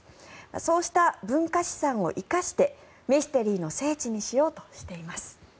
そうした文化資産を生かしてミステリーの聖地にしようとしています。